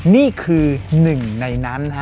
นี่คือหนึ่งในนั้น